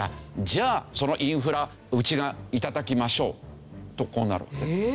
じゃあそのインフラうちが頂きましょう」とこうなるわけですね。